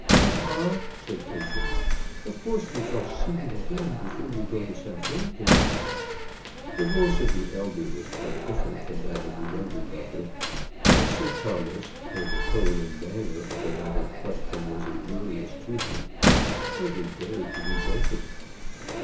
"Papa," said Patience, "of course we shall see you again before you go to Southampton." The voice of the elder was quite different from that of the younger daughter; and Sir Thomas, though the tone and manner of the latter question was injurious to him, hardly dared to resent it.